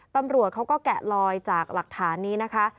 ตำรวจเขาก็แกะลอยจากหลักฐานนี้นะคะ